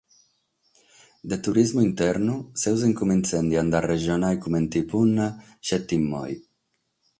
De turismu internu semus cumintzende a nd’arresonare comente punna petzi como.